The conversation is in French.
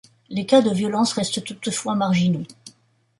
Les cas de violence restent toutefois marginaux.